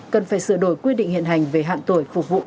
cần phải sửa đổi quy định hiện hành về hạn tuổi phục vụ cao nhất